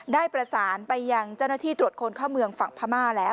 ได้ประสานไปยังเจ้าหน้าที่ตรวจคนเข้าเมืองฝั่งพม่าแล้ว